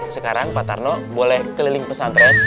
sekarang pak tarno boleh keliling pesantren